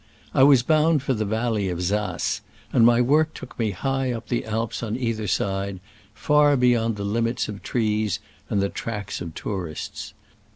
I was bound for the valley of Saas, and my work took me high up the Alps on either side, far beyond the limit of trees and the tracks of tourists.